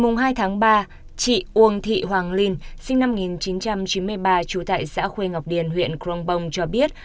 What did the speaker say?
ngày hai tháng ba chị uông thị hoàng linh sinh năm một nghìn chín trăm chín mươi ba trú tại xã khuê ngọc điền huyện crongbong cho biết